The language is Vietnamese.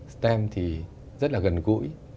stem thì rất là gần gũi